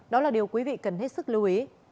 đó là điều quý vị cần hết sức lưu ý